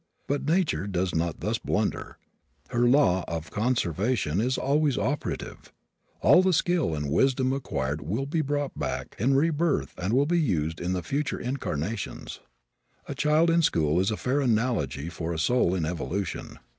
But nature does not thus blunder. Her law of conservation is always operative. All the skill and wisdom acquired will be brought back in rebirth and will be used in the future incarnations. A child in school is a fair analogy for a soul in evolution.